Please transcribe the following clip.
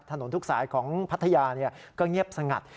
ถนนทุกสายของพัทยาเนี่ยก็เงียบสงัด